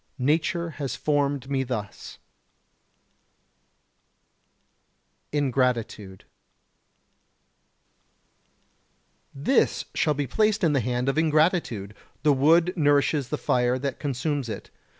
Nature has formed me thus. [Sidenote: Ingratitude] 114. This shall be placed in the hand of ingratitude: The wood nourishes the fire that consumes it.